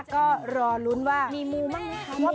ก็รอลุ้นว่ามีมูบ้างไหมคะ